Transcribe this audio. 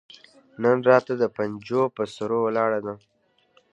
نن راته د پنجو پهٔ سرو ولاړه ده